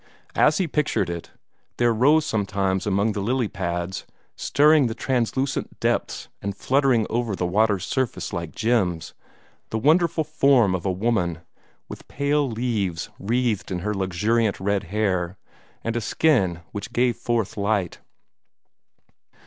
As he pictured it, there rose sometimes from among the lily pads, stirring the translucent depths and fluttering over the water's surface drops like gems, the wonderful form of a woman, with pale leaves wreathed in her luxuriant red hair, and a skin which gave forth light.